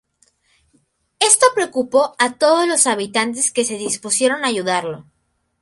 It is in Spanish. Esto preocupó a todos los habitantes, que se dispusieron a ayudarlo.